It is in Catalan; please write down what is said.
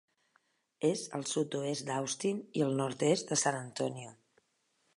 És al sud-oest d'Austin i el nord-est de San Antonio.